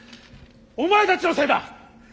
お前たちのせいだ！